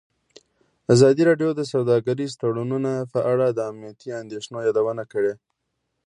ازادي راډیو د سوداګریز تړونونه په اړه د امنیتي اندېښنو یادونه کړې.